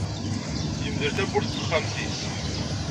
Yemdel tawwurt n texxamt-is.